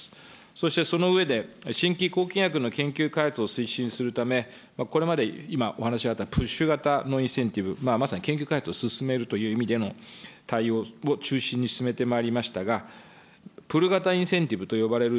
そして、その上で、新規抗菌薬の研究開発を推進するため、これまで、今、お話あったプッシュ型のインセンティブ、まさに研究開発を進めるという意味での対応を中心に進めてまいりましたが、プル型インセンティブと呼ばれる、